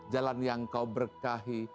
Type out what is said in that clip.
jalan yang kau berkahi